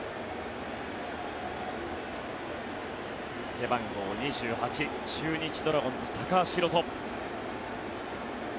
背番号２８中日ドラゴンズ、高橋宏斗。